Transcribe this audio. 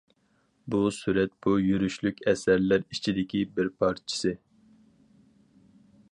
بۇ سۈرەت بۇ يۈرۈشلۈك ئەسەرلەر ئىچىدىكى بىر پارچىسى.